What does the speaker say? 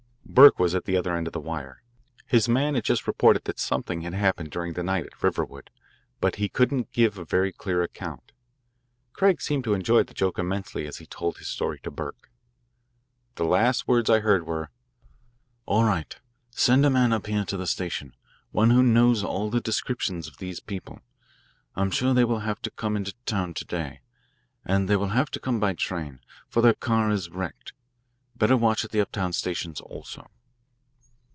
Burke was at the other end of the wire. His man had just reported that something had happened during the night at Riverwood, but he couldn't give a very clear account. Craig seemed to enjoy the joke immensely as he told his story to Burke. The last words I heard were: "All right. Send a man up here to the station one who knows all the descriptions of these people. I'm sure they will have to come into town to day, and they will have to come by train, for their car is wrecked. Better watch at the uptown stations, also."